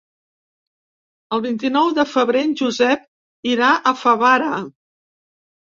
El vint-i-nou de febrer en Josep irà a Favara.